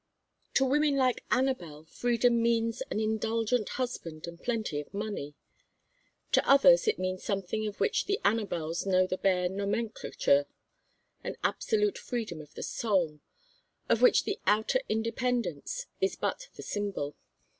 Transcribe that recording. To women like Anabel freedom means an indulgent husband and plenty of money. To others it means something of which the Anabels know the bare nomenclature: an absolute freedom of the soul, of which the outer independence is but the symbol.